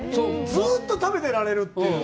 ずっと食べてられるという。